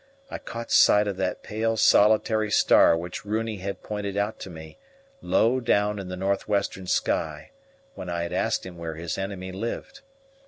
I caught sight of that pale solitary star which Runi had pointed out to me low down in the north western sky when I had asked him where his enemy lived.